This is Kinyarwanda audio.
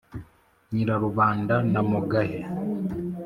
nyirarubanda na mugahe.